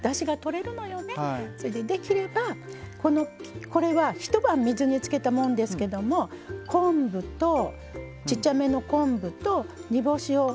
それでできればこれは一晩水につけたもんですけども昆布とちっちゃめの昆布と煮干しをまあ５匹６匹